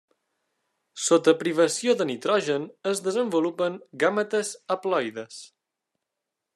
Sota privació de nitrogen es desenvolupen gàmetes haploides.